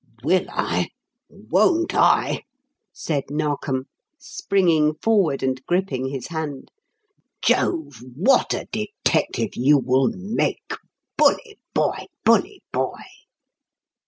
"Will I? Won't I!" said Narkom, springing forward and gripping his hand. "Jove! what a detective you will make. Bully boy! Bully boy!"